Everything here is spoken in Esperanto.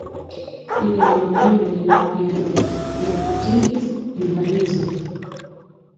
Liajn junajn jaron li pasigis en Parizo.